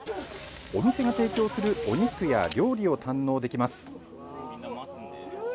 お店の提供するお肉や料理を堪能できます。